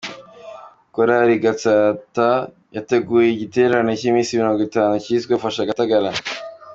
Korari Gatsata yateguye igiterane cy’iminsi murongo itanu cyiswe” Fasha Gatagara’’